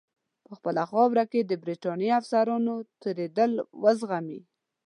په خپله خاوره کې د برټانیې افسرانو تېرېدل وزغمي.